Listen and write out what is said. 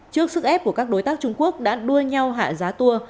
trước sức ép của các đối tác trung quốc đã đua nhau hạ giá tour